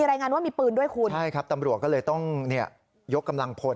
นั่งลงนั่งลงนั่งลงนั่งลงนั่งลงนั่งลงนั่งลงก่อน